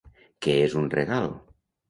Que és un regal?